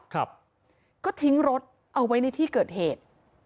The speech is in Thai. ครับก็ทิ้งรถเอาไว้ในที่เกิดเหตุ